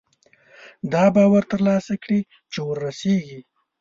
دا باور ترلاسه کړي چې وررسېږي.